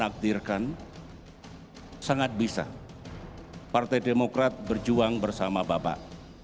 saya mengaktirkan sangat bisa partai demokrat berjuang bersama bapak